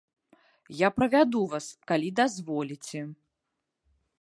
Я правяду вас, калі дазволіце.